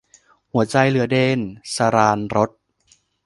หัวใจเหลือเดน - สราญรส